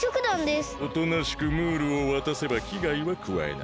おとなしくムールをわたせばきがいはくわえない。